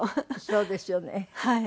そうですよね。